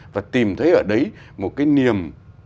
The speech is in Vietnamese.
và tìm thấy ở đấy một cái niềm